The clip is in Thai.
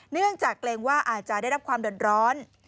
เนื่องจากเกรงว่าอาจจะได้รับความเดือดร้อน